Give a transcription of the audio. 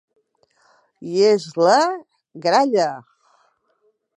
I és la... gralla!